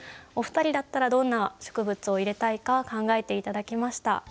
お二人だったらどんな植物を入れたいか考えて頂きました。